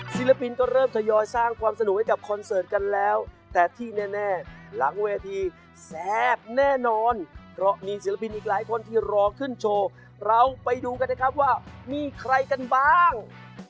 ศิลปินก็เริ่มทยอยสร้างความสนุกให้กับคอนเสิร์ตกันแล้วแต่ที่แน่หลังเวทีแซ่บแน่นอนเพราะมีศิลปินอีกหลายคนที่รอขึ้นโชว์เราไปดูกันนะครับว่ามีใครกันบ้าง